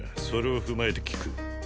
それを踏まえて聞く。